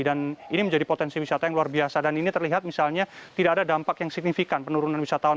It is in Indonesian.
dan ini menjadi potensi wisata yang luar biasa dan ini terlihat misalnya tidak ada dampak yang signifikan penurunan wisatawan